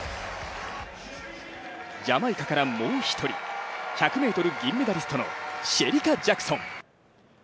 ジャマイカからもう一人１００ｍ銀メダリストのシェリカ・ジャクソン。